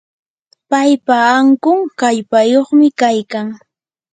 paypa ankun kallpayuqmi kaykan.